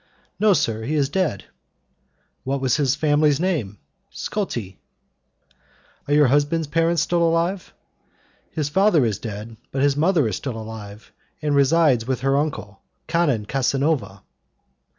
"No, sir, he is dead." "What was his family name?" "Scotti." "Are your husband's parents still alive?" "His father is dead, but his mother is still alive, and resides with her uncle, Canon Casanova."